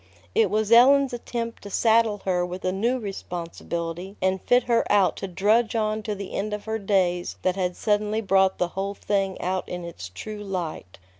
It was Ellen's attempt to saddle her with a new responsibility and fit her out to drudge on to the end of her days that had suddenly brought the whole thing out in its true light.